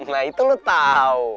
nah itu lu tau